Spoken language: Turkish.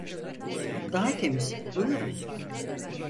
Daha temiz, buyurun!